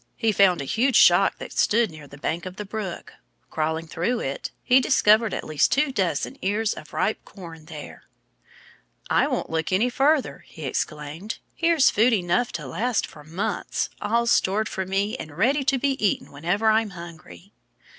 He found a huge shock that stood near the bank of the brook. Crawling through it, he discovered at least two dozen ears of ripe corn there. "I won't look any further," he exclaimed. "Here's food enough to last for months, all stored for me and ready to be eaten whenever I'm hungry."